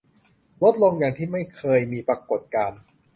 ลดลงอย่างที่ไม่เคยมีปรากฏการณ์